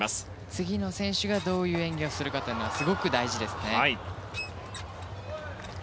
次の選手がどういう演技をするかがすごく大事ですね。